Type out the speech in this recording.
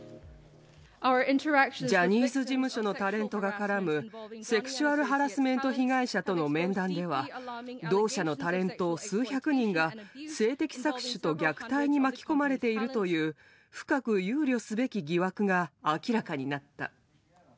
ジャニーズ事務所のタレントが絡む、セクシュアルハラスメント被害者との面談では、同社のタレント数百人が性的搾取と虐待に巻き込まれているという深く憂慮すべき疑惑が明らかになった。